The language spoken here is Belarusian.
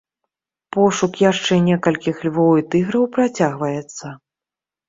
Пошук яшчэ некалькіх львоў і тыграў працягваецца.